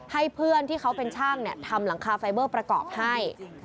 ให้เพื่อนที่เขาเป็นช่างทำหลังคาไฟเบอร์ประกอบให้